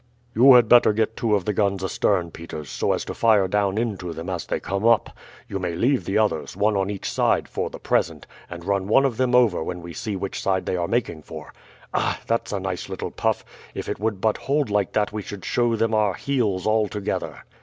"You had better get two of the guns astern, Peters, so as to fire down into them as they come up. You may leave the others, one on each side, for the present, and run one of them over when we see which side they are making for. Ah! that's a nice little puff. If it would but hold like that we should show them our heels altogether."